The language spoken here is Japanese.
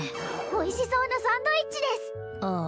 おいしそうなサンドイッチですああ